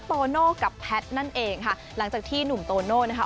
โตโน่กับแพทย์นั่นเองค่ะหลังจากที่หนุ่มโตโน่นะคะ